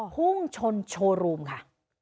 พุ่งชนโชว์รูมค่ะ